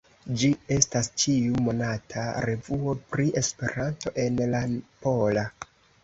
Ĝi estas ĉiu-monata revuo pri Esperanto en la pola.